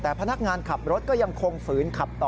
แต่พนักงานขับรถก็ยังคงฝืนขับต่อ